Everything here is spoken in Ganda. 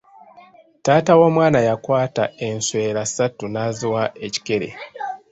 Taata w'omwana yakwata enswera ssatu n'aziiwa ekikere.